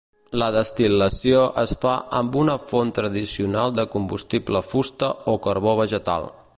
La destil·lació es fa amb una font tradicional de combustible fusta o carbó vegetal.